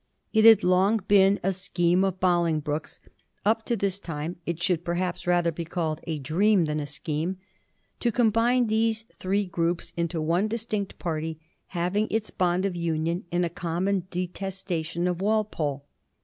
It had long been a scheme of BoUngbroke's — ^up to this time it should perhaps rather be called a dream than a scheme— to combine these three groups into one distinct party, having its bond of union in a common detestation of Wal pole.